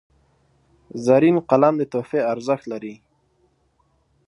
زرین قلم د تحفې ارزښت لري.